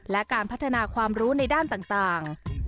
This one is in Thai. และการพัฒนาความรู้ในด้านต่าง